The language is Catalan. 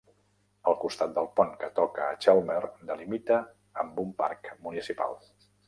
El costat del pont que toca amb Chelmer delimita amb un parc municipal.